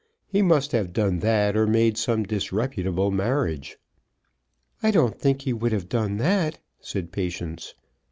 He must have done that or made some disreputable marriage." "I don't think he would have done that," said Patience.